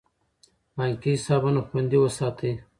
بانکي حسابونه خوندي وساتئ.